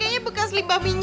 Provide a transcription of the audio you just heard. gak ada cara lain